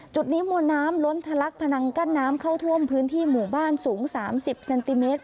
จุดนี้มวลน้ำล้นทะลักพนังกั้นน้ำเข้าท่วมพื้นที่หมู่บ้านสูง๓๐เซนติเมตร